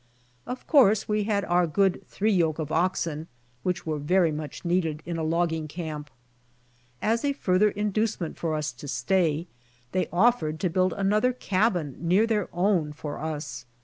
Of course we had our good three voke of oxen which were DESCENDING INTO CALIFORNIA 131 very much needed in a logging camp. As a farther inducement for us to stay, they offered to build another »cabin near their own for us.